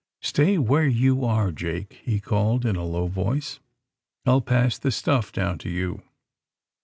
^^Stay where you are, Jake," he called in a low voice. '^I'll pass the stuff down to you."